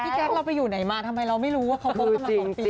แจ๊คเราไปอยู่ไหนมาทำไมเราไม่รู้ว่าเขาคบกันมา๒ปี